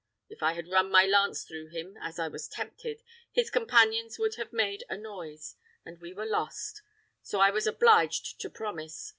If I had run my lance through him, as I was tempted, his companions would have made a noise, and we were lost; so I was obliged to promise.